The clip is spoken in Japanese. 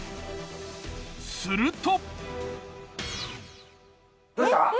すると。